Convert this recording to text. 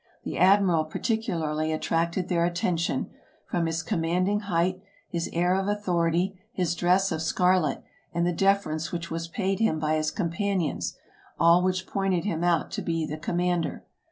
The admiral particularly attracted their attention, from his commanding height, his air of authority, his dress of scarlet, and the deference which was paid him by his companions ; all which pointed him out to be the commander.